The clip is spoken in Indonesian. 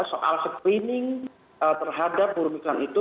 soal screening terhadap buru migran itu